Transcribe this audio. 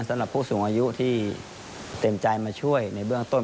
สำหรับผู้สูงอายุที่เต็มใจมาช่วยในเบื้องต้น